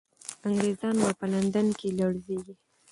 انګریزان به په لندن کې لړزېږي.